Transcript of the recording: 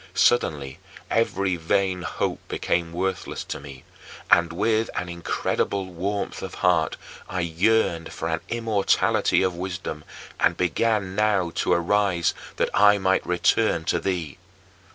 Suddenly every vain hope became worthless to me, and with an incredible warmth of heart I yearned for an immortality of wisdom and began now to arise that I might return to thee.